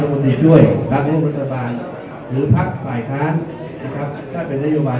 ตามอย่างนอกจากเข้าไปสามารถการบางอย่างในรอยหน้า